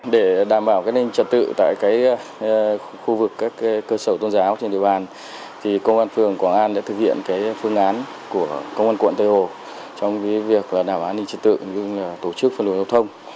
để đảm bảo an ninh trật tự tại khu vực các cơ sở tôn giáo trên địa bàn công an quận tây hồ đã thực hiện phương án của công an quận tây hồ trong việc đảm bảo an ninh trật tự tổ chức phân luận giao thông